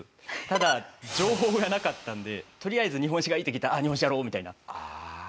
ただ情報がなかったのでとりあえず日本史がいいって聞いたら日本史やろうみたいな。